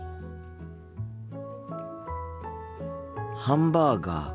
ハンバーガー。